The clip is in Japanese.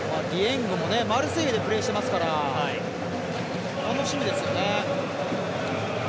ディアもマルセイユでプレーしていますから楽しみですよね。